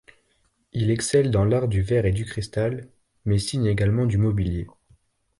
Il excelle dans l'art du verre et du cristal, mais signe également du mobilier.